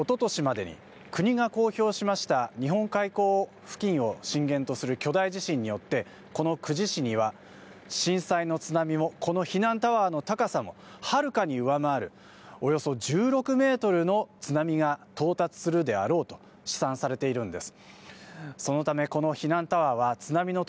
しかしながら一昨年までに国が公表しました日本海溝付近を震源とする巨大地震によって、この久慈市には震災の津波をこの避難タワーの高さもはるかに上回るおよそ１６メートルの津波が到達するであろうと試算されているんです。